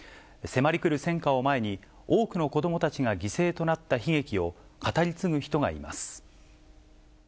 迫りくる戦火を前に、多くの子どもたちが犠牲となった悲劇を語り継ぐ人がいます。